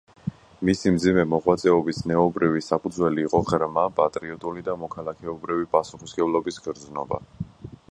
მისი მძიმე მოღვაწეობის ზნეობრივი საფუძველი იყო ღრმა პატრიოტული და მოქალაქეობრივი პასუხისმგებლობის გრძნობა.